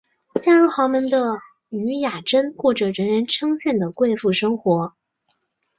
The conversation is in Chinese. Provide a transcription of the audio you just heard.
嫁入豪门的禹雅珍过着人人称羡的贵妇生活。